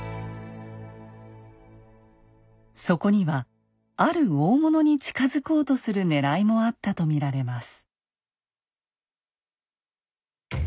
そこにはある大物に近づこうとするねらいもあったと見られます。